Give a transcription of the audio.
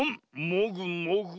もぐもぐ。